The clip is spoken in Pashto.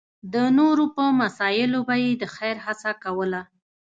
د نورو په مسایلو به یې د خېر هڅه کوله.